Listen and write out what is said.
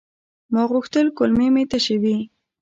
ما غوښتل کولمې مې تشي وي.